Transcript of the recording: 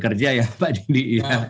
terima kasih pak didi